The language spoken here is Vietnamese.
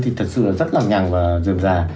thì thật sự là rất là ngẳng và dường dà